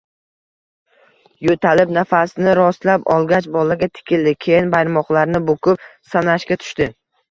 Yoʻtalib, nafasini rostlab olgach bolaga tikildi, keyin barmoqlarini bukib sanashga tushdi